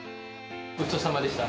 ごちそうさまでした。